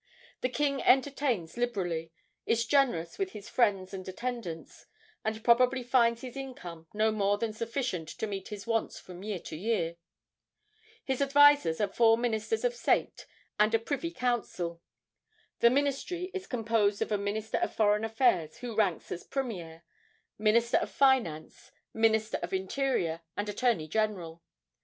The king entertains liberally, is generous with his friends and attendants, and probably finds his income no more than sufficient to meet his wants from year to year. His advisers are four Ministers of State and a Privy Council. The Ministry is composed of a Minister of Foreign Affairs, who ranks as premier, Minister of Finance, Minister of Interior, and Attorney General.